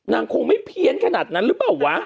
คงไม่เพี้ยนขนาดนั้นหรือเปล่าวะ